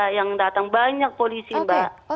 yang datang banyak polisi mbak